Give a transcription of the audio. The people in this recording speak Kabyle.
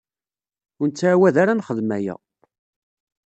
Ur nettɛawad ara ad nexdem aya.